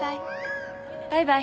バイバイ。